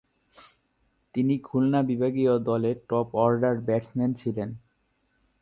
তিনি খুলনা বিভাগীয় দলের টপ-অর্ডার ব্যাটসম্যান ছিলেন।